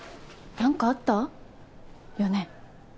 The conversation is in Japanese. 何かあったよね？